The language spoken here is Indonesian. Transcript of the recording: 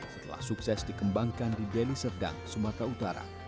setelah sukses dikembangkan di deli serdang sumatera utara